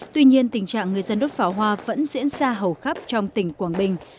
tuy nhiên tình trạng người dân đốt pháo hoa vẫn diễn ra hầu khắp trong tỉnh quảng bình